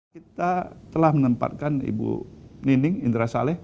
kita telah menempatkan ibu nining indra saleh